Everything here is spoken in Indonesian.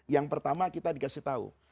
yang pertama kita dikasih tahu